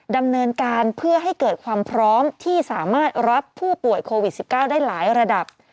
ดำเนินการเพื่อให้เกิดความพร้อมที่สามารถรับผู้ป่วยโควิด๑๙ได้หลายระดับ